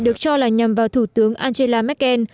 được cho là nhằm vào thủ tướng angela merkel